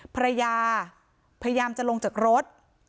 ภรรยาพยายามจะลงจากรถ